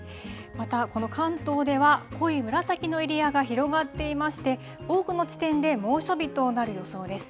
また、この関東では、濃い紫のエリアが広がっていまして、多くの地点で猛暑日となる予想です。